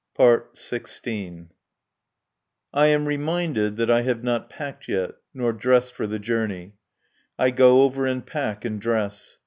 I am reminded that I have not packed yet, nor dressed for the journey. I go over and pack and dress.